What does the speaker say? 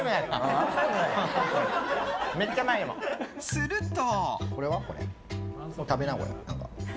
すると。